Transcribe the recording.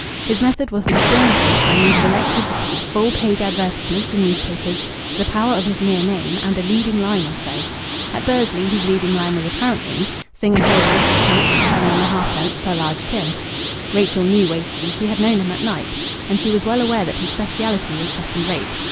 His method was to storm a place by means of electricity, full page advertisements in news papers, the power of his mere name, and a leading line or so. At Bursley his leading line was apparently "Singapore delicious chunks at 7 1/2d. per large tin." Rachel knew Wason; she had known him at Knype. And she was well aware that his speciality was second rate.